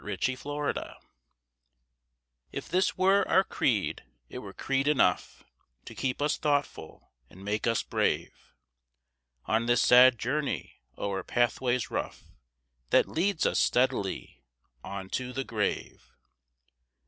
SIMPLE CREEDS If this were our creed it were creed enough To keep us thoughtful and make us brave; On this sad journey o'er pathways rough That lead us steadily on to the grave.